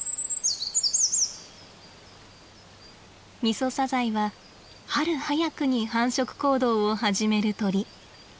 ミソサザイは春早くに繁殖行動を始める鳥。